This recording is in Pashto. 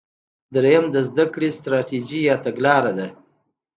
دریم د زده کړې ستراتیژي یا تګلاره ده.